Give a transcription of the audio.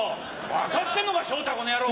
分かってんのか昇太この野郎！